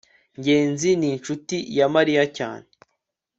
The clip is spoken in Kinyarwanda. ngenzi ni inshuti ya mariya cyane